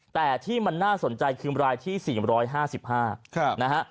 แต่ที่มันน่าสนใจคือรายที่๔๕๕นะฮะ